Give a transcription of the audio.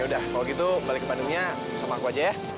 yaudah kalau gitu balik ke bandungnya sama aku aja ya